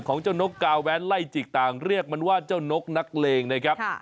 ของเจ้านกกาแว้นไล่จิกต่างเรียกมันว่าเจ้านกนักเลงนะครับ